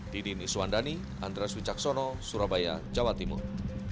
didi niswandani andres wicaksono surabaya jawa timur